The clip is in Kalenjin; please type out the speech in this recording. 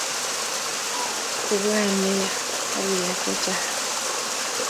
Ibwat ne yo akiyay chechang